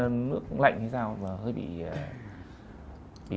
nước lạnh hay sao mà hơi bị